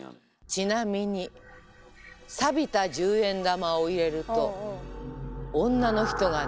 ちなみにびた十円玉を入れると女の人が出るそうです。